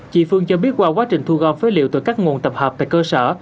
chị phương cho biết qua quá trình thu gom phế liệu từ các nguồn tập hợp tại cơ sở